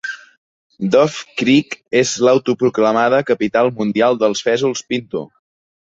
Dove Creek és l'autoproclamada Capital Mundial dels Fesols Pinto.